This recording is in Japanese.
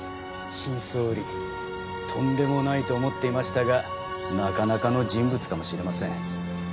新総理とんでもないと思っていましたがなかなかの人物かもしれません。